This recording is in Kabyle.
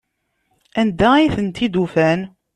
Anda ay tent-id-ufan?